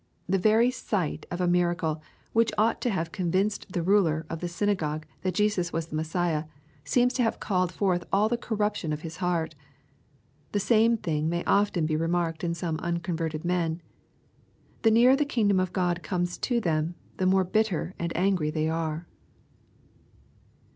The very sight of a mira cle, which ought to have convinced the ruler rf the synagogue that Jesus was the Messiah, seems to have call* } forth all the cor ruption of his heart. The same thing may often be remarked in some unconverted men. The nearer the kingdom of Gk)d comes to them, the more bitter and angry they are.